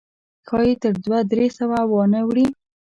ښایي تر دوه درې سوه وانه وړي.